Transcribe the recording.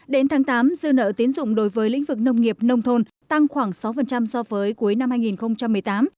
đến tháng tám dư nợ tiến dụng đối với lĩnh vực nông nghiệp nông thôn tăng khoảng sáu so với cuối năm hai nghìn một mươi tám